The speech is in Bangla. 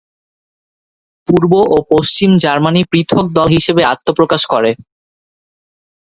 পূর্ব ও পশ্চিম জার্মানি পৃথক দল হিসেবে আত্মপ্রকাশ করে।